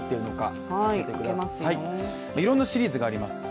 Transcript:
いろんなシリーズがあります。